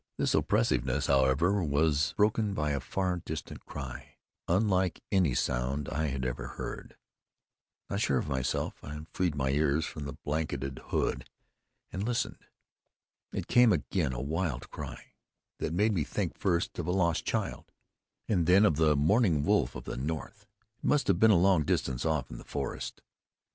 This oppressiveness, however, was broken by a far distant cry, unlike any sound I had ever heard. Not sure of myself, I freed my ears from the blanketed hood and listened. It came again, a wild cry, that made me think first of a lost child, and then of the mourning wolf of the north. It must have been a long distance off in the forest.